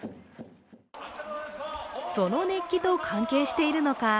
その熱気と関係しているのか